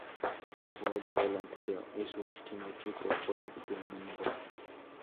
Jugó de delantero y su ultimo equipo fue el Flamengo.